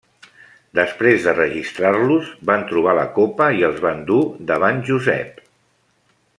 Després de registrar-los, van trobar la copa i els van dur davant Josep.